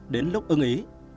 đến lúc ưng ý